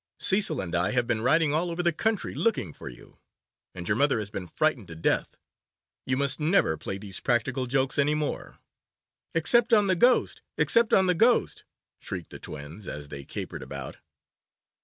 'Cecil and I have been riding all over the country looking for you, and your mother has been frightened to death. You must never play these practical jokes any more.' 'Except on the Ghost! except on the Ghost!' shrieked the twins, as they capered about.